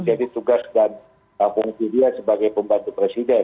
jadi tugas dan fungsi dia sebagai pembantu presiden